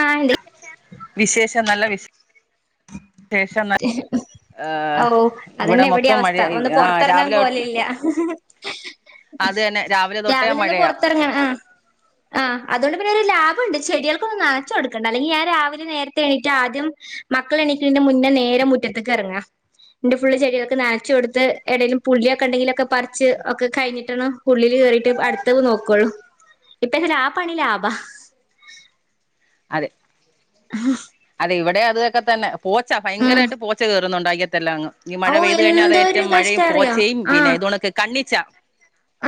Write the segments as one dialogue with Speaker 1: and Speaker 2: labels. Speaker 1: ആഹ് ഇണ്ട്
Speaker 2: വിശേഷം നല്ല വിശേ ശേഷം ന അഹ്
Speaker 1: ഓ അതന്നെ ഇവിടെ അവസ്ഥ ഒന്ന്
Speaker 2: ആഹ്
Speaker 1: പുറത്തിറങ്ങാൻ
Speaker 2: രാവിലെ
Speaker 1: പോലല്ല
Speaker 2: അത് തന്നെ തൊട്ടേ
Speaker 1: രാവിലെ ഒന്ന്
Speaker 2: മഴയാ
Speaker 1: പുറത്തിറങ്ങണം ആ ആ അതുകൊണ്ട് പ്പൊ ഒരു ലാഭമുണ്ട് ചെടികൾക്കൊന്നും നനച് കൊടുക്കണ്ട അല്ലെങ്കിൽ ഞാൻ രാവിലെ നേരത്തെ എണീട്ട് ആദ്യം മക്കൾ എണീന്റെ മുന്നേ നേരെ മുറ്റത്തക്ക് ഇറങ്ങാ. ന്നിട്ട് ഫുള് ചെടികൊക്കെ നനച്ചു കൊടുത്ത് എടേലും പുള്ളിയൊക്കെ ഉണ്ടെങ്കിലൊക്കെ പറിച്ച് ഒക്കെ കഴിഞ്ഞിട്ട് ട്ടണ ഉള്ളില് കേറിയിട്ട് അടുത്തത് നോക്കോളു ഇപ്പ ഏതാലും ആ പണി ലാഭാ.
Speaker 2: അതെ അതെ ഇവിടെ അതൊക്കെ തന്നെ പോച്ച
Speaker 1: ഉം
Speaker 2: ഭയങ്കരമായിട്ട് പോച്ച കയറുന്നുണ്ടാക്കി ത്തെല്ലാങ്ങ് ഈ മഴ
Speaker 1: ഓ
Speaker 2: പെയ്ത് കഴിഞ്ഞാൽ അത
Speaker 1: എന്തൊരു
Speaker 2: ഏറ്റവും മഴയും
Speaker 1: കഷ്ടാറിയോ
Speaker 2: പോച്ചയും പിന്നെ ഇത് കണക്ക് കണ്ണിച്ചാ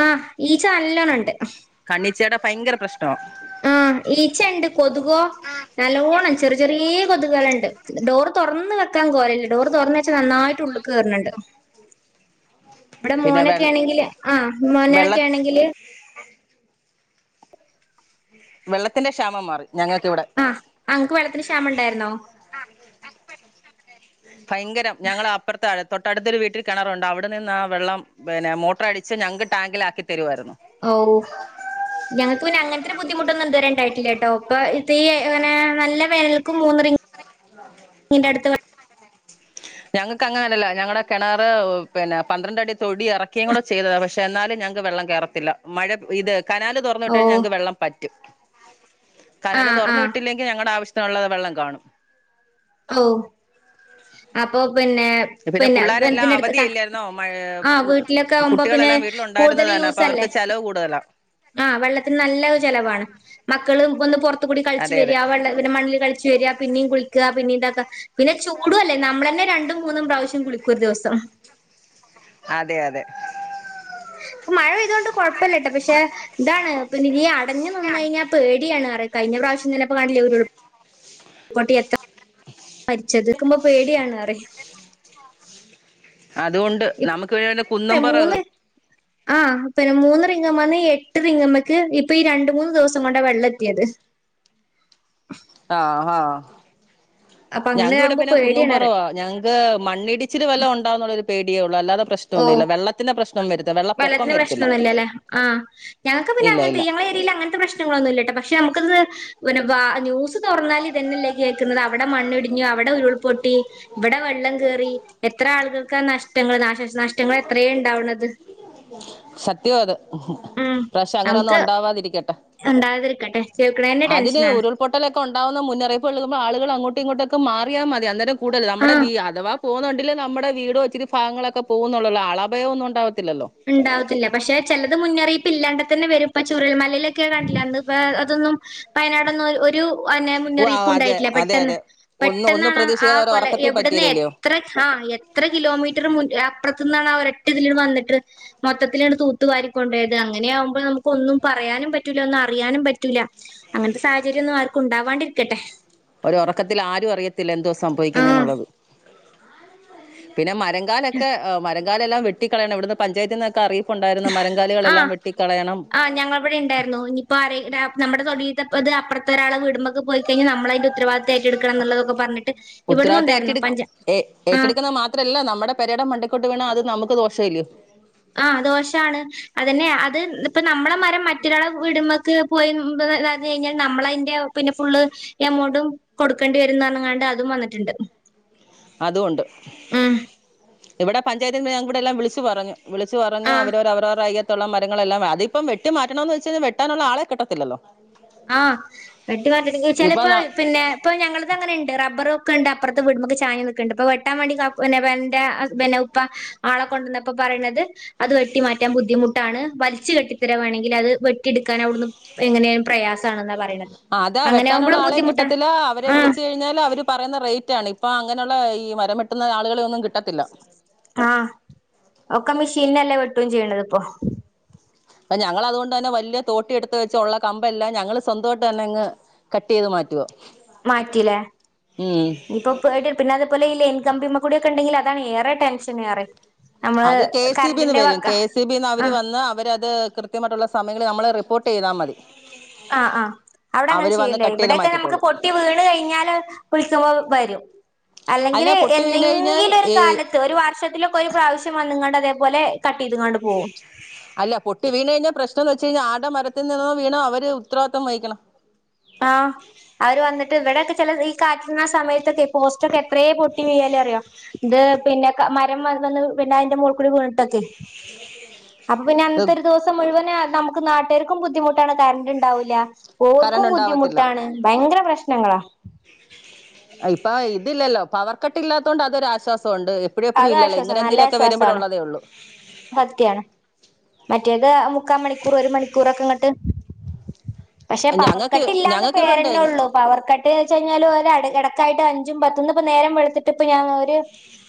Speaker 1: ആ ഈച്ച നല്ലോണണ്ട്
Speaker 2: ച്ചേടെ ഭയങ്കര പ്രശ്
Speaker 1: ആ ഈച്ചണ്ട് കൊതുകോ നല്ലോണം ചെറിയ ചെറിയ കൊതുക് വല യുണ്ട് ഡോർ തുറന്ന് വെക്കാൻ കോലല്ല ഡോറ് തുറന്ന വെച്ച നന്നായിട്ട് ഉള്ളുക്ക് കേയറുന്നുണ്ട് ഇവിടെ
Speaker 2: പിന്നെ വെ
Speaker 1: മോനൊക്കെ ആണെങ്കില് ആ
Speaker 2: വെള്ള
Speaker 1: മോനനൊക്കെ ആണെങ്കില്
Speaker 2: വെള്ളത്തിന്റെ ക്ഷാമം മാറി ഞങ്ങൾക്കിവിടെ
Speaker 1: ആഹ് ഇങ്ങക്ക് വെള്ളത്തിന് ക്ഷാമ ഉണ്ടായിരുന്നോ?
Speaker 2: ഭയങ്കരം ഞങ്ങള അപ്പുറത്തെ ആഴത്ത് തൊട്ടടുത്തരു വീട്ടിൽ കിണറുണ്ട് അവിടെ നിന്ന് ആ വെള്ളം പിന്നെ മോട്ടർ അടിച്ച് ഞങ്ങക്ക് ടാങ്കിലാക്കി തരുമായിരുന്നു
Speaker 1: ഓ ഞങ്ങക്ക് പിന്നെ അങ്ങന ഇത്ര ബുദ്ധിമുട്ടൊന്നും ഇതുവരെ ഇണ്ടായിട്ടില്ലേ കേട്ടോ നല്ലവേനൽക്കും മൂന്ന് റിങ് -
Speaker 2: ആഹ് ഞങ്ങക്ക് അങ്ങനെ അല്ലല്ലോ ഞങ്ങടെ കെണറ് പിന്നെ പന്ത്രണ്ട് അടി തൊടി എറക്കിയും കൂടെ ചെയ്തതാണ് പക്ഷെ എന്നാലും ഞങ്ങക്ക് വെള്ളം കേറത്തില്ല മഴ ഇത് കനാല് തൊറന്ന് വിട്ട്
Speaker 1: ഓ
Speaker 2: കഴിഞ്ഞാ ഞങ്ങൾക്ക് വെള്ളം പറ്റും കനാല്
Speaker 1: ആഹ്
Speaker 2: തോറന്നു
Speaker 1: ആഹ്
Speaker 2: വിട്ടില്ലെങ്കിൽ ഞങ്ങളുടെ ആവശ്യം- ഒള്ളത് വെള്ളം കാണും
Speaker 1: ഓ അപ്പൊ പിന്നെ പിന്നെ
Speaker 2: പിള്ളേരെല്ലാം
Speaker 1: വെന്തിടുത്ത്
Speaker 2: അവധിയില്ലായിരുന്നോ മഴ
Speaker 1: ആഹ് വീട്ടിലൊക്കെ ആവുമ്പോ പിന്നെ
Speaker 2: കുട്ടികളെല്ലാം
Speaker 1: കൂടുതൽ
Speaker 2: വീട്ടിലുണ്ടായിരുന്നത് തന്നെ അപ്പൊ
Speaker 1: യൂസ്ല്ലേ
Speaker 2: അവർക്ക് ചെലവ് കൂടുതലാ
Speaker 1: ആ വെള്ളത്തിന് നല്ല ചെലവാണ് മക്കള് വന്ന് പൊ - ആ കൂടി കളിച്ച
Speaker 2: അതെ അതെ
Speaker 1: വരിക വന്നെ മണ്ണിൽ കളിച്ച വരിക പിന്നെയും കുളിക്കുക പിന്നെ ഇതോക്കെ പിന്നെ ചൂടു അല്ലേ നമ്മള് തന്നെ രണ്ടും മൂന്നും പ്രാവശ്യം കുളിക്കും ഒരു ദിവസം
Speaker 2: അതെ അതെ
Speaker 1: ഇപ്പ മഴ പെയ്തോണ്ട് കൊഴപ്പ ഇല്ലട്ടൊ പക്ഷെ ഇതാണ് പിന്നെ [unintelligible] മരിച്ചെത് ക്ക്മ്പോ പേടിയാണ് പറെയ്
Speaker 2: അതുകൊണ്ട് നമ്
Speaker 1: മൂന്ന് ആ പിന്നെ മൂന്ന് ങ്ങമ്മന്ന് എട്ട് റിങ്ങുംമേക്ക് ഇപ്പൊ ഈ രണ്ട് മൂന്ന് ദിവസം കൊണ്ട വെള്ളം എത്തിയത്
Speaker 2: ആഹ് ആഹ്
Speaker 1: അപ്പൊ അങ്ങനെ
Speaker 2: ഞങ്ങക്ക് ഇവിടെ
Speaker 1: ആകുമ്പോ
Speaker 2: പിന്നെ
Speaker 1: പേടിയാണ് പറയും.
Speaker 2: കുന്നുംപുറവാ ഞങ്ങക്ക് മണ്ണിടിച്ചില് വല്ലോം ഉണ്ടാവോന്നുള്ളരു പേടി ക്കെ ഒള്ളു അല്ലതെ
Speaker 1: ഓ വെള്ളത്തിന്
Speaker 2: വരത്തില്ല
Speaker 1: പ്രശ്നൊന്നുയില്ല ലെ ആഹ് ഞങ്ങെക്ക് പിന്നെ
Speaker 2: ഇല്ല
Speaker 1: അങ്ങെൻത്തെ
Speaker 2: ഇല്ല
Speaker 1: ഈ ഞങ്ങളെ ഏരിയെൽ അങ്ങെൻത്തെ പ്രശ്നങ്ങളൊന്നും ഇല്ലട്ടോ പക്ഷെ നമു ക്കെ ഒന്ന് ഒര് പാ ന്യൂസ് തൊർന്നാൽ ഇതെന്നെ അല്ലെ കേക്ക്ന്നെത് അവ്ടെ മണ്ണ് ഇടിഞ്ഞു അവ്ടെ ഉരുൾപൊട്ടി ഇബെടെ വെള്ളം കേറി എത്ര ആളുകൾക്കാ നഷ്ടങ്ങെൾ നാശ നഷ് നഷ്ടങ്ങൾ എത്രയെ ഇണ്ടാവ്ണെത്
Speaker 2: സത്യവാ അത് ഇപ്രാവശ്യം അങ്ങനെ ഒന്നും ഒണ്ടാവാതിരിക്കെട്ടെ
Speaker 1: ഉണ്ടാകാതിരിക്കട്ടെ കേൾക്കണന്നെ
Speaker 2: അതിന്
Speaker 1: ടെൻഷനാണ്
Speaker 2: ഉരുൾപൊട്ടലൊക്കെ ഉണ്ടാവുന്ന മുന്നറിയിപ്പു നൽകുമ്പോൾ ആളുകൾ അങ്ങോട്ട് ഇങ്ങോട്ടൊക്കെ മാറിയാ മതി അന്നരം കൂടുതൽ നമ്മുടെ
Speaker 1: ആഹ്
Speaker 2: വീ അഥവാ പോകുന്നുണ്ടെങ്കിൽ നമ്മുടെ വീടോ ഇച്ചിരി ഭാഗങ്ങളൊക്കെ പോവുന്നള്ളൂള്ളു ആളപായം ഒന്നും ഉണ്ടാവ
Speaker 1: ഉണ്ടാവത്തില്ല പക്ഷെ ചിലത് മുന്നറിയിപ്പ് ഇല്ലാണ്ട് തന്നെ വരും പ്പ ചുരൽമല ലൊക്കെ കണ്ടില്ലേ അന്ന് അതൊന്നും വയനാടൊന്നും ഒരു
Speaker 2: ഓ ആ
Speaker 1: മുന്നറിയിപ്പും
Speaker 2: അതെ
Speaker 1: ഉണ്ടായിട്ടില്ല
Speaker 2: അതെ
Speaker 1: പെട്ടെന്ന്
Speaker 2: അതെ ഒന്ന് ഒന്ന്
Speaker 1: പെട്ടെന്നാണ് ആ
Speaker 2: പ്രതീക്ഷിക്കാതെ ഒരു
Speaker 1: കൊല
Speaker 2: ഉറക്കത്തിൽ
Speaker 1: എവിടന്ന്
Speaker 2: പറ്റിയതല്ലയോ
Speaker 1: എത്ര ആ എത്ര കിലോമീറ്റർ മു അപ്പുറത്ത് ന്നാണ് ആ ഒരു ഒറ്റ ഇതിൽ വന്നിട്ട് മൊത്തത്തിലങ്ങട് തൂത്തുവാരിക്കൊണ്ടോയത് അങ്ങനെ ആകുമ്പോൾ നമുക്ക് ഒന്നും പറയാനും പറ്റൂല ഒന്നും അറിയാനും പറ്റൂല്ല അങ്ങനത്തെ സാഹചര്യം ഒന്നും ആർക്കും ഉണ്ടാവാണ്ടിരിക്കട്ടെ
Speaker 2: ഒരു ഉറക്കത്തിൽ ആരും അറിയത്തില്ല എന്തുവാ
Speaker 1: ആ
Speaker 2: സംഭവിക്കുന്നത് എന്നുള്ളത് പിന്നെ മ മരങ്കാലൊക്കെ മരങ്കാ എല്ലാം വെട്ടിക്കളയണം ഇവിടുന്ന് പഞ്ചായത്തിന്നൊക്കെ അറിയി
Speaker 1: ആ ആ ഞങ്ങ ഇവിടെ ഉണ്ടായിരുന്നു ഇനിയിപ്പോ ആരെ ടാ നമ്മുടെ തൊടീ ത് അപ്പറത്തെ ഒരാളെ വീടുമ്മെ പോയി കഴിഞാൽ നമ്മളതിന്റെ ഉരത്തവാദിത്വം ഏറ്റെടുക്കണം എന്നുള്ളതൊക്കെ പറഞ്ഞിട്ട്
Speaker 2: ഉത്തരവാദിത്തം
Speaker 1: ഇവിടുന്നുണ്ടായിരുന്നു
Speaker 2: ഏറ്റെടു
Speaker 1: പഞ്ചാ ആ
Speaker 2: ക്കൊട്ട് വീണ അത് നമുക്ക് ദോഷം ഇല്ല്യോ
Speaker 1: ആ ദോഷാണ് അതന്നെ അത് ഇപ്പ നമ്മളെ മരം മറ്റൊരാളെ വിടുമ്മക്ക് പോയി അതത് കഴിഞ്ഞാൽ നമ്മള് അതിന്റെ പിന്നെ ഫുള് എമൗണ്ടും കൊടുക്കേണ്ടി വരുംന്നു പറഞിങാണ്ട് അതും വന്നിട്ടുണ്ട്
Speaker 2: അതും ഉണ്ട്
Speaker 1: ഉം
Speaker 2: ഇവിടെ പഞ്ചായത്തിന്ന് ഞങ്ങക്കിവിടെ എല്ലാം വിളിച്ചു പറഞ്ഞു വിളിച്ച് പറഞ്ഞ്
Speaker 1: ആഹ്
Speaker 2: അവരവരു അവരോരുടെ അയ്യ ത്തുള്ള മരങ്ങളെല്ലാം അതിപ്പോ വെട്ടി മാറ്റണം എന്ന് വെച്ച് കഴിഞ്ഞാൽ വെട്ടാനുള്ള ആളെ കിട്ടത്തില്ലല്ലോ
Speaker 1: ആ വെട്ടി മാറ്റണെങ്കി വെച്ചാൽ ഇപ്പൊ പിന്നെ ഇപ്പൊ ഞങ്ങളിത് അങ്ങനെണ്ട് റബ്ബറു ക്കണ്ട് അപ്പുറത്തെ വീടുമ്മെക്ക് ചാഞ് നിക്കണ്ട് അപ്പൊ വെട്ടാ വേണ്ടി കാക്കു പിന്നേ ഇപ്പൊ എറന്റെ ഹസ്ബന്റിന്റെ ഉപ്പ ആളെ കൊണ്ടുവന്നപ്പോ പറയണത് അത് വെട്ടി മാറ്റാൻ ബുദ്ധിമുട്ടാണ് വലിച്ച് കെട്ടിത്തര വേണെങ്കിൽ അത് വെട്ടിയെടുക്കാൻ അവിടുന്ന് എങ്ങനെ പ്രയാസാണെന്ന പറ
Speaker 2: അതാ വെട്ടാനുള്ള ആളെയും കിട്ടത്തില്ല അവരെ
Speaker 1: ആഹ്
Speaker 2: വിളിച്ചു കഴിഞ്ഞാല് അവര് പറയുന്ന റേറ്റ് ആണ് ഇ ഇപ്പൊ അങ്ങനെയുള്ള ഈ മരംവെട്ടുന്ന ആളുകള ഒന്നും കിട്ടത്തില്ല
Speaker 1: ആ ഒക്കെ മെഷീനല്ലേ വെട്ടും ചെയ്യണത് ഇപ്പൊ
Speaker 2: ഞങ്ങൾ അതുകൊണ്ട് തന്നെ വലിയ തോട്ടി എടുത്ത് വെച്ചൊള്ള കമ്പ് എല്ലാം ഞങ്ങള് സ്വന്തമായിട്ട് തന്നെ അങ്ങ് കട്ട് ചെയ്ത് മാറ്റുവ
Speaker 1: മാറ്റില്ലേ
Speaker 2: ഉം
Speaker 1: ഇനീപ്പൊ പേടി പിന്നെ അതേപോലെ ഈ ലൈ കമ്പിമ്മ കൂടിയൊക്കെ ഉണ്ടെങ്കിൽ അതാണ് ഏറെ ടെൻഷൻ ഏറെ നമ്മള്
Speaker 2: അത് കെ സി ബിന്ന്
Speaker 1: കറണ്ടിന്റെ
Speaker 2: വരും
Speaker 1: വക്ക
Speaker 2: കെ സി ബിന്ന് അവര്
Speaker 1: ആഹ്
Speaker 2: വന്ന് അവരത് കൃത്യമായിട്ടുള്ള സമയങ്ങളിൽ നമ്മൾ റിപ്പോർട്ട് ചെയ്താ മതി
Speaker 1: ആഹ് ആഹ് അവിടെ അങ്ങനെ
Speaker 2: അവര് വന്ന്
Speaker 1: ചെയുലേ
Speaker 2: കട്ട് ചെയ്ത്
Speaker 1: ഇവിടൊക്കെ നമുക്ക്
Speaker 2: മാറ്റിക്കോളും
Speaker 1: പൊട്ടി വീണ് കഴിഞ്ഞാല് വിളിക്കുമ്പോ വരും
Speaker 2: അല്ല
Speaker 1: അല്ലെങ്കില്
Speaker 2: പൊട്ടി വീണ് കഴിഞ്ഞാൽ
Speaker 1: എന്നെങ്കിലും ഒരു
Speaker 2: ഈ
Speaker 1: കാലത്ത് ഒരു വർഷത്തിലൊക്കെ ഒരു പ്രാവശ്യം വന്ന്‌ ങ്ങണ്ട അതേപോലെ കട്ട് ചെയ്ത്ങ്ങാണ്ട് പോവും
Speaker 2: അല്ല പൊട്ടി വീണ് കഴിഞ്ഞാ പ്രശ്നംന്ന് വെ ച്ച്കയിഞ്ഞ ആര്ടെ മരത്തിന്നാണോ വീണത് അവര് ഉത്തവാദിത്വം വഹിക്കണം
Speaker 1: ആ അവര് വന്നിട്ട് ഇവിടൊക്കെ ചെല ഈ കാറ്റിന്റെ സമയത്തൊക്കെ പോസ്റ്റൊക്കെ എത്രയേ പൊട്ടി വിയ്യല് അറിയോ ഇത് പിന്നെ മരം വന്ന് പിന്നെ അതിന്റെ മോളികൂടെ വീണിട്ടൊക്കെ അപ്പൊ പിന്നെ
Speaker 2: ഇത്
Speaker 1: അന്നത്തെ ഒരു ദിവസം മുഴുവന് നമുക്ക് നാട്ടാര് ക്കും ബുദ്ധിമുട്ടാണ് കരണ്ട് ഇണ്ടാവുല്ല ഓ ക്കും
Speaker 2: കറണ്ട് ഉണ്ടാവത്തില്ല
Speaker 1: ബുദ്ധിമുട്ടാണ് ഭയങ്കര പ്രശ്നങ്ങളാ
Speaker 2: ഇപ്പൊ ഇതില്ലല്ലോ പവർ കട്ട്ല്ലാതോണ്ട് അതൊരാശ്വാസ
Speaker 1: അത് ആശ്വാസാ നല്ല ആശ്വാസാണ്
Speaker 2: വരുമ്പോഴുള്ളതേ ഉള്ളൂ
Speaker 1: സത്യാണ് മറ്റേത് മുക്കാ മണി ക്കൂർ ഒരു മണിക്കൂറൊക്കെ ഇങ്ങട്ട് പക്ഷെ പവർ
Speaker 2: ഞങ്ങൾക്ക്
Speaker 1: കട്ട് ഇല്ലാന്ന്
Speaker 2: ഞങ്ങൾക്ക് ഇവിടെ
Speaker 1: പേരന്നെ
Speaker 2: ഉണ്ട്
Speaker 1: ഉള്ളൂ പവർ കട്ട്ന്ന്ച്ച്ഴിഞ്ഞാല് ഒര [unintelligible] ക്കായിട്ട് അഞ്ചും പത്ത്ന്നും ഇപ്പ നേരം വെളുത്തിട്ട് ഇപ്പ ഞാൻ ഒരു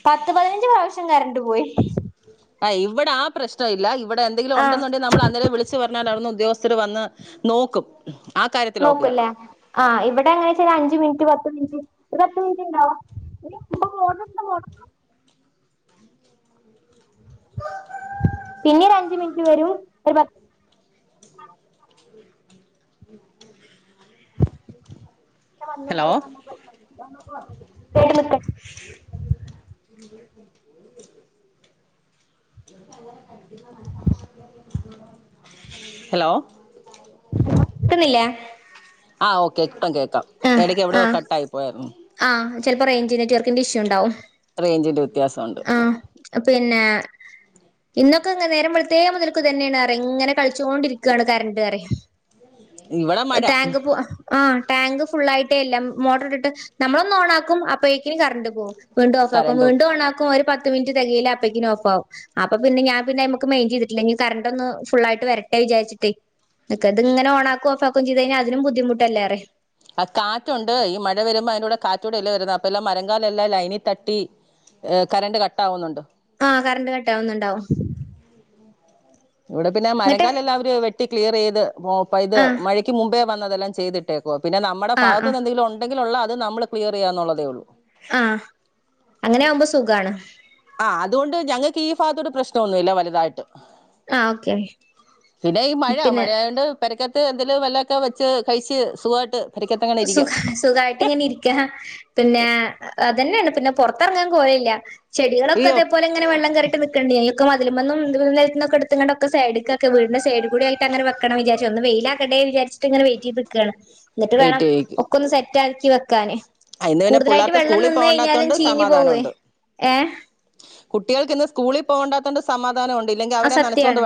Speaker 1: പത്ത് പതിനഞ്ച് പ്രാവശ്യം കറണ്ട് പോയി
Speaker 2: ആഹ് ഇവിടെ ആ പ്രശ്ന വില്ല ഇവടെ എന്തെങ്കിലും
Speaker 1: ആഹ്
Speaker 2: ഉണ്ട്ന്ന്‌ണ്ടെങ്കെ നമ്മളന്നേരെ വിളിച്ച് പറ ഞ്ഞാൽ അവിടന്ന്‌ ഉദ്യോഗസ്ഥര് വന്ന് നോക്കും ആ കാര്യത്തിൽ ഓക്കെയാ
Speaker 1: നോക്കൂല്ലേ ആ ഇവിടെങ്ങനാച്ചാല് അഞ്ചു മിനിറ്റ് പത് ത്ത് മിനിറ്റ് ഒരു പത്ത് മിനിറ്റ് ഇണ്ടാവും [unintelligible] പിന്നെ ഒരഞ്ച് മിനിറ്റിന് വരും ഒരു പത് ഇങ്ങനെ വന്നും
Speaker 2: ഹലോ
Speaker 1: പോയി വന്നും പോയി [unintelligible] [unintelligible]
Speaker 2: ഹലോ
Speaker 1: ക്കുന്നില്ലേ
Speaker 2: ആ ഓക്കെ ഇപ്പം കേക് ക്കാം എടക്ക് എവടോ
Speaker 1: ആഹ്
Speaker 2: കട്ടായി പോയാരുന്നു
Speaker 1: ആഹ് ചെലപ്പോ റേ റേഞ്ച് നെറ്റ് വർക്കിന്റെ ഇഷ്യു ഇണ്ടാവും
Speaker 2: റേഞ്ച് ന്റെ വ് ത്യാസണ്ട്
Speaker 1: പിന്നെ ഇന്നൊക്കെ ഇങ്ങനെ നേരംവെളുത്തേ മുതൽക്ക് ഇതന്നാണ് ഇങ്ങനെ കളിച്ചോണ്ടിരിക്കാണ് കരണ്ട് പറിയെ
Speaker 2: ഇവടെ മഴ
Speaker 1: ആ ടാങ്ക് ഫുുള്ളായിട്ടേ എല്ലാം മോട്ടർ ഇട്ടിട്ട് നമ്മളൊന്നന്ന് ഓൺ ആക്കും അപ്പോഴേക്കിനും കറണ്ട് പോകും വീണ്ടും ഓഫ് ആക്കും
Speaker 2: കരണ്ടും
Speaker 1: വീണ്ടോണാ ക്കും ഒരു പത്ത് മിനിറ്റ് തികയില്ല അപ്പയ്ക്ന് ഓഫാകും അപ്പൊ പിന്ന ഞാൻ പിന്നെ അയ്മ്മക്ക് മെയിൻ്റ് ചെയ്തിട്ടില്ല ഇനി കറണ്ട് ഒന്ന് ഫുൾ ആയിട്ട് വരട്ടെ വിചാരിച്ചിട്ടേ നക്ക ത്ങ്ങനെ ഓണാക്കും ഓഫാ ക്കും ചെയ്തഞ്ഞ അതിനും ബുദ്ധിമുട്ടല്ലറിയ
Speaker 2: അ കാറ്റുണ്ട് ഈ മഴ വരുമ്പോ അയ്ന്റുടെ കാറ്റൂടെല്ലേ വരുന്നെ അപ്പ എല്ലാം മരകാലെല്ലാം ലൈനി തട്ടി കറണ്ട് കട്ടാവുന്നുണ്ട്
Speaker 1: ആ കറണ്ട് കട്ടാവ്ന്ന്ണ്ടാവും
Speaker 2: ഇവിടെ പിന്നെ മരകാലെല്ലാവര് വെ ട്ടി ക്ലിയറെയ്ത് പോ പ്പ ഇത്
Speaker 1: ആ
Speaker 2: മഴയ്ക്ക് മുമ്പേ വന്നതെല്ലാം ചെയ്തിട്ടേ പോ പിന്നെ നമ്മടെ
Speaker 1: ആ ആ
Speaker 2: ഭാഗത്തുനിന്തെങ്കിലുണ്ടെ ലുള്ള അത് നമ്മള് ക്ലിയർ ചെയ്യന്നുള്ളതേ ഒള്ളൂ
Speaker 1: ആ അങ്ങനെ ആകുമ്പോ സുഖാണ്
Speaker 2: ആ അതുകൊണ്ട് ഞങ്ങൾക്ക് ഈ ഭാഗത്തോട്ട് പ്രശ്നൊന്നുല്ല വല്തായിട്ട്
Speaker 1: ആ ഓക്കെ
Speaker 2: പിന്നെ ഈ മഴ
Speaker 1: പിന്നെ
Speaker 2: മഴ ആയാെണ്ട് പെരക്കത്ത് എന്തേലും വല്ലൊക്കെ വെച്ച് കഴിച്ച് സുഖായിട്ട്
Speaker 1: സുഖ സുഖായിട്ട് ഇങ്ങനെ ഇരിക്ക പിന്നെ അതന്നേണ് പിന്നെ പൊറത്തെറങ്ങാൻ കോയല്ല ചെടികളൊക്കെ
Speaker 2: അയ്യോ
Speaker 1: തെപോലെങ്ങെനെ വെള്ളം കേറിട്ട് നിക്ക്ണ്ട് എ ക്കെ മതിലുമന്നും ദും നെൽത്ത്ന്നൊക്കെട്ത്ത്ങ്ങണ്ട് ഒക്കെ സൈഡ്ക്കാക്ക വീടിന്റെ സൈഡ് കൂടേയിട്ടങ്ങനെ വെക്കണം വിചാരിച്ച ഒന്ന് വെയ്ലാകട്ടേ വിചരിച്ചട്ട്ങ്ങനെ വെയിറ്റെയ്ത്ക്കാണ് ന്നിട്ട് വേണം ഒക്കൊന്ന്സെ റ്റാക്കി വെക്കാന്
Speaker 2: അ ഇന്ന് പിന്നെ
Speaker 1: കൂടുതലായിട്ട്
Speaker 2: പുള്ളാർക്ക്
Speaker 1: വെള്ളം
Speaker 2: സ്കൂളിൽ
Speaker 1: നിന്ന് കഴിഞ്ഞാലും
Speaker 2: പോകണ്ടാത്തതൊണ്ട്
Speaker 1: ചീഞ്ഞു
Speaker 2: സമാധാനം
Speaker 1: പോവേ.
Speaker 2: ഒണ്ട്
Speaker 1: ഏഹ്
Speaker 2: കുട്ടികൾക്ക് ഇന്ന് സ്കൂളിൽ പോകണ്ട ണ്ട് സമാ
Speaker 1: ആ സത്യാണ്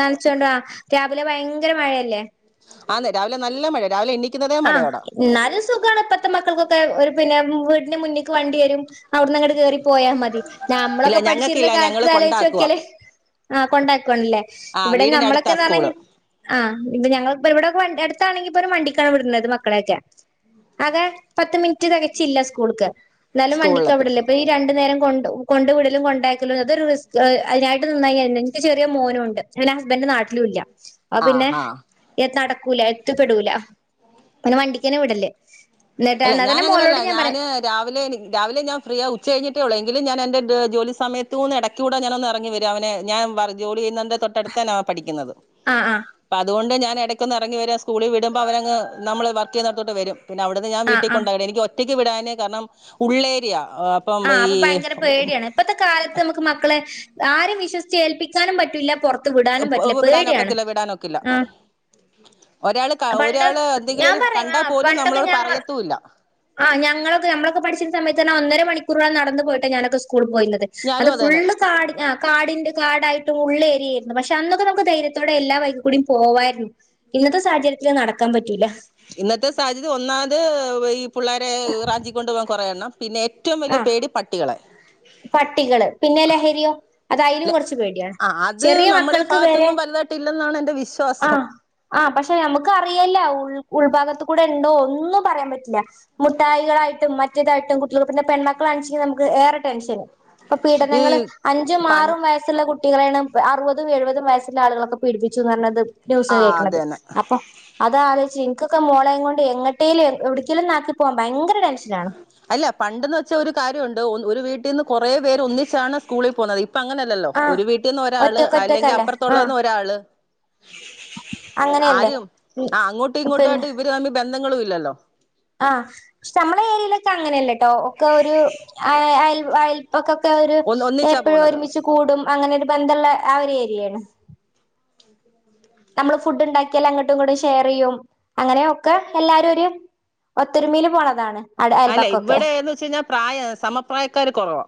Speaker 1: നനച്ചോണ്ടോ രാവിലെ ഭയങ്കര മഴയല്ലേ
Speaker 2: ആന്ന് രാവിലെ നല്ല മഴ രാവിലെ എണി
Speaker 1: ആ ന്നാലും സുഖണ്പ്പത്തെ മക്കൾക്കക്കാെ ഓര് പിന്നെ മു വീട്ന്റെ മുന്ന്ക്ക് വണ്ട്യെരും അവിട്ന്ന്ങ്ങട്ട് കേറി പോയാ മതി
Speaker 2: ഇല്ല
Speaker 1: നമ്മളൊക്കെ പഠിച്ചിര്ന്ന
Speaker 2: ഞങ്ങൾക്കില്ല ഞങ്ങള്
Speaker 1: കാലത്ത്
Speaker 2: കൊണ്ടാക്കുക
Speaker 1: ആലോയ്ച്ചോക്കിയാല് ആ കൊണ്ടാക്കാെണ്ല്ലേ
Speaker 2: ആ
Speaker 1: ഇവിടെ
Speaker 2: വീടിനടുത്താ
Speaker 1: നമ്മളൊക്കെന്നറ്ഞ്ഞ
Speaker 2: സ്കൂള്
Speaker 1: ആ ഇപ്പ ഞങ്ങ പ്പം ഇവിടെ എടുത്താണെങ്കിൽ പ്പൊര് വണ്ടി ലാ വിട്ണത് മക്കളെയൊക്കെ ആകെ പത്ത് മിനിറ്റ് തെകച്ചില്ല സ്കൂൾക്ക് എന്നാലും വണ്ടിക്ക
Speaker 2: സ്കൂളിലെത്തും
Speaker 1: വിടല് ഇപ്പ ഈ രണ്ടു നേരം കൊണ്ടു കൊണ്ടു വിടലും കൊണ്ടയാക്കലും അതൊരു റിസ്ക് അതിനായിട്ട് നിന്നായി ന്നെ ൻക്ക് ചെറിയ മോനുമുണ്ട് എന്റെ ഹസ്ബൻഡ് നാട്ടിലും ഇല്ല്യാ ആ പിന്നെ എതട ക്കൂല എത്തിപ്പെടൂല പിന്നെ വണ്ടിക്ക്തന്നെ വിടല്ല്
Speaker 2: അല്ല ഞാനങ്ങനെയല്ല ഞാന് രാവിലെ രാവിലെ ഞാൻ ഫ്രീ ആ ഉച്ച കഴിഞ്ഞിട്ടേ ഉള്ളൂ എനി എങ്കിലും ഞാനെന്റെ ജോലി സമയത്തൂന്ന് എടക്കൂടെ ഞാനൊന്ന് ഇറങ്ങി വരും അവനെ ഞാൻ ജോലി ചെയ്യുന്ന തൊട്ടടുത്തന്നാ അവൻ പഠിക്കുന്നത്
Speaker 1: ആഹ് ആഹ്
Speaker 2: അപ്പതോണ്ട് ഞാൻ പിന്നെ എടക്കൊന്ന് എറങ്ങി വരാ സ്കൂളിൽ വിടുമ്പോ അവരങ്ങ് നമ്മള് വർക്ക് ചെയ്യുന്നടുത്തോട്ട് വരും പിന്നെ അവി അത് ഞാൻ
Speaker 1: ആഹ്
Speaker 2: വീട്ടി
Speaker 1: ആഹ്
Speaker 2: കൊണ്ടോവേല എനിക്ക് ഒറ്റ ഒറ്റക്ക് വിടാന് കാരണം ഉള്ളേരിയ
Speaker 1: ആ
Speaker 2: അപ്പം
Speaker 1: അപ്പൊ
Speaker 2: ഈ
Speaker 1: ഭയങ്കര പേടിയാണ് ഇപ്പത്തെ കാലത്ത് നമുക്ക് മക്കളെ ആരേം വിശ്വസിച്ച് ഏൽപ്പിക്കാനും പറ്റൂല്ല പൊറ പൊറത്ത് വിടാനും പറ്റില്ല. പേടിയാണ്.
Speaker 2: വിടാനൊക്കത്തില്ല
Speaker 1: അ
Speaker 2: വിടാനൊക്കില്ല ഒരാള് ക
Speaker 1: പണ്ട്
Speaker 2: ഒരാള് എന്തെങ്കിലും
Speaker 1: ഞാൻ
Speaker 2: ഒരു
Speaker 1: പറയും
Speaker 2: കണ്ടാ
Speaker 1: അ
Speaker 2: പോലും
Speaker 1: പണ്ടൊക്കെ
Speaker 2: നമ്മളോട്
Speaker 1: ഞങ്ങൾ
Speaker 2: പറയത്തൂല്ല
Speaker 1: അ ഞങ്ങളൊക്കെ നമ്മളൊക്കെ പഠിച്ചിരുന്ന സമയത്ത് പറഞ്ഞ ഒന്നര കുറെ നടന്ന പോയിട്ട ഞാനൊക്കെ സ്കൂ കൂളിൽ പോയിരുന്നത് അത്
Speaker 2: ഞാനും അതന്നെ
Speaker 1: ഫുള്ള് കാട് ആ കാടിന്റെ കാടായിട്ട് ഉള്ളേരിയായിരുന്നു പക്ഷെ അന്നൊക്കെ നമുക്ക് ധൈര്യത്തോടെ എല്ലാ വഴികൂടെയും പോവായിരുന്നു ഇന്നത്തെ സാഹചര്യത്തില് നടക്കാൻ പറ്റൂല
Speaker 2: ഇന്നത്തെ സാഹചര്യം ഒന്നാമത് വൈ പുള്ളേരെ റാഞ്ചി കൊണ്ടു പോകാൻ കുറെേയണ്ണം പിന്നെ ഏറ്റവും
Speaker 1: ആ
Speaker 2: വലിയ പേടി പട്ടികളെ
Speaker 1: പട്ടികള് പിന്നെ ലഹരിയോ അതയിലും
Speaker 2: ല്ലെ
Speaker 1: കുറച്ച് പേടിയാണ്.
Speaker 2: ആ അത്
Speaker 1: ചെറിയ
Speaker 2: നമ്മുടെ ഈ
Speaker 1: മക്കൾക്ക് വെരെ
Speaker 2: ഭാഗത്തൊന്നും വലുതായിട്ട് ഇല്ലെന്നാണ് എന്റെ വിശ്വാസം
Speaker 1: ആഹ് ആഹ് പക്ഷെ നമുക്ക് അറിയല്ല ഉൾഭാഗ കൂടെ ഉണ്ടോ ഒന്നും പറയാൻ പറ്റില്ല മുട്ടായികളായിട്ടും മറ്റേതായിട്ടും കുട്ടികൾ പിന്നെ പെൺമക്കളാണെങ്കിൽ നമുക്ക് ഏറെ ടെൻഷൻ ഇപ്പം
Speaker 2: ഈ
Speaker 1: പീഡനങ്ങള് അഞ്ചും
Speaker 2: പൺ
Speaker 1: ആറും വയസ്സുള്ള കുട്ടി കുട്ടികളെയാണ് അറുപതും എഴുപതും വയസ്സുള്ള ആളുകളൊക്കെ പീഡപ്പിച്ചുന്ന് പറഞ്ഞത്
Speaker 2: ആ
Speaker 1: ന്യൂസ് കേൾക്കണത്
Speaker 2: അതന്നെ
Speaker 1: അപ്പൊ അതാലോചി പക്ഷേ എനിക്കൊക്കെ മോളെയും കൊണ്ട് എങ്ങട്ടേലും എവിടക്കെലും നാട്ടിൽ പോവാൻ ഭയങ്കര ടെൻഷനാ
Speaker 2: അല്ല പണ്ടെന്ന് വെച്ചാ ഒരു കാര്യം വൊണ്ട് ഒന്ന് ഒരു വീട്ടീന്ന് കൊറേ പേര് ഒന്നിച്ചാണ് സ്കൂളിൽ പോണത് ഇപ്പ അങ്ങനെയല്ലല്ലോ
Speaker 1: ആഹ്
Speaker 2: ഒരു വീട്ടീന്ന് ഒരാള്
Speaker 1: ഒറ്റക്ക്
Speaker 2: അല്ലെങ്കിൽ
Speaker 1: ഒറ്റക്കല്ലേ ആഹ്
Speaker 2: അപ്പൊറത്തൊളെന്ന് ഒരാള്
Speaker 1: അങ്ങനെയല്ലേ
Speaker 2: ആരും
Speaker 1: ഉം
Speaker 2: ആഹ് അങ്ങോട്ടും ഇങ്ങോട്ടു
Speaker 1: പിന്നെ
Speaker 2: ആയിട്ട് ഇവര് തമ്മി ബന്ധങ്ങളും ഇല്ലല്ലോ
Speaker 1: [unintelligible] അങ്ങനെയല്ലേ കേട്ടോ ഒക്കെ ഒരു അ അൽ വയി ഇടക്കൊക്കെ ഒരു
Speaker 2: ഒന്ന് ഒന്നിച്ചാ
Speaker 1: എപ്പോഴും
Speaker 2: പോകുന്നത്
Speaker 1: ഒരുമിച്ച് കൂടും അങ്ങനെ ഒരു ബന്ധമുള്ള ആ ഒരു ഏരിയാണ് നമ്മള് ഫുഡ് ഉണ്ടാക്കിയാൽ അങ്ങട്ടും ഇങ്ങട്ടും ശേറെയ്യും അങ്ങയൊക്കെ എല്ലാരും ഒരു ഒത്തൊരുമയില് പോണതാണ് അട
Speaker 2: അല്ല
Speaker 1: അയൽപക്കൊക്കെ
Speaker 2: ഇവിടെന്ന് വെച്ച് കഴിഞ്ഞാൽ പ്രായ സമപ്രായക്കാര് കുറവാ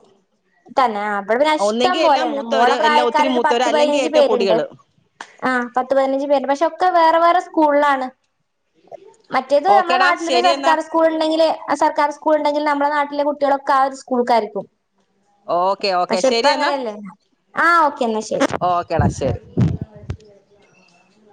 Speaker 1: തന്നെ അവിടെ പിന്നെ ഇഷ്ടം
Speaker 2: ഒന്നെങ്കി എല്ലാ
Speaker 1: പോലെയാണ്
Speaker 2: മൂത്തവര്
Speaker 1: മോളെ
Speaker 2: എല്ലാ
Speaker 1: പ്രായക്കാര്
Speaker 2: ഒത്തിരി
Speaker 1: ഒരു
Speaker 2: മൂത്തവര്
Speaker 1: പത്ത്
Speaker 2: അല്ലെങ്കിൽ
Speaker 1: പതിനഞ്ച്
Speaker 2: ഏറ്റവും
Speaker 1: പേരുണ്ട്
Speaker 2: പൊടികള്
Speaker 1: ആഹ് പത്ത് പതിനഞ്ച് പേര് പക്ഷെ ഒക്കെ വേറെ വേറെ സ്കൂളിലാണ് മറ്റേത് നമ്മടെ
Speaker 2: ഓക്കേടാ
Speaker 1: നാട്ടിലൊരു
Speaker 2: ശരി എന്നാ
Speaker 1: സർക്കാർ സ്കൂൾ ഉണ്ടെങ്കില് ആ സർക്കാർ സ്കൂൾ ഉണ്ടെങ്കിൽ നമ്മുടെ നാട്ടിലെ കു കുട്ടികളൊക്കെ ആ ഒരു സ്കൂൾക്കായിരിക്കും
Speaker 2: ഓക്കെ ഓക്കെ
Speaker 1: പക്ഷെ ഇപ്പ
Speaker 2: ശെരി എന്നാ
Speaker 1: അങ്ങനെയല്ലേ ആ ഓക്കെ എന്നാ ശരി
Speaker 2: ഓക്കേടാ ശരി [inaudible]